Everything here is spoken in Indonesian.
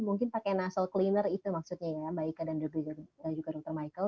mungkin pakai nassel cleaner itu maksudnya ya mbak ika dan juga dr michael